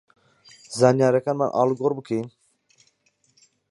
زانیارییەکانمان ئاڵوگۆڕ بکەین